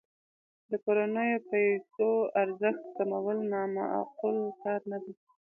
د کورنیو پیسو ارزښت کمول نا معقول کار نه دی.